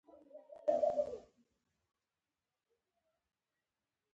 پوتاشیم د نشایستې او قندونو په زیاتوالي کې برخه لري.